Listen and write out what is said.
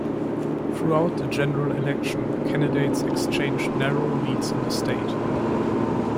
Throughout the general election, candidates exchanged narrow leads in the state.